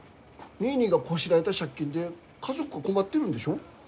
ニーニーがこしらえた借金で家族困ってるんでしょ？